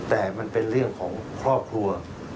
แต่มันเป็นเรื่องของครอบครัว